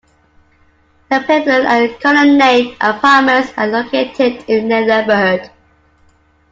The Pavilion and Colonnade Apartments are located in the neighborhood.